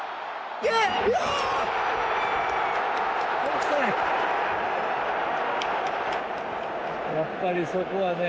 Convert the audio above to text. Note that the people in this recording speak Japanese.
やっぱりそこはね